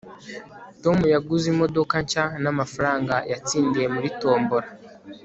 tom yaguze imodoka nshya n'amafaranga yatsindiye muri tombora